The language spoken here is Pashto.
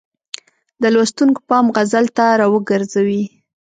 د لوستونکو پام غزل ته را وګرځوي.